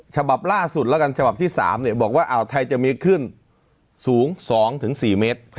ฉบับล่าสุดแล้วกันฉบับที่๓บอกว่าอ่าวไทยจะมีขึ้นสูง๒๔เมตร